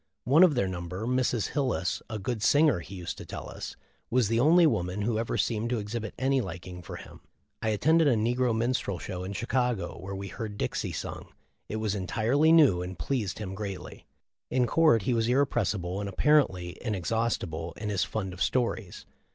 One of their number, Mrs. Hil lis, a good singer, he used to tell us was the only man who ever seemed to exhibit any liking for him. I attended a negro minstrel show in Chicago, where we heard Dixie sung. It was entirely new, and pleased him greatly. In court he was irrepres sible and apparently inexhaustible in his fund of stories.